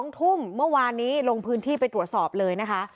๒ทุ่มเมื่อวานนี้ลงพื้นที่ไปตรวจสอบเลยนะคะ